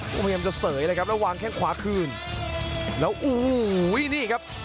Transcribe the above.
พยายามจะเสยเลยครับแล้ววางแข้งขวาคืนแล้วโอ้โหนี่ครับ